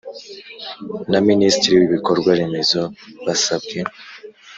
Na minisitiri w ibikorwa remezo basabwe